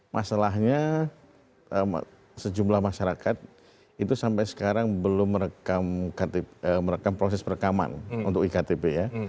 masalahnya sejumlah masyarakat itu sampai sekarang belum merekam proses perekaman untuk iktp ya